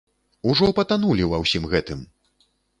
Ужо патанулі ва ўсім гэтым!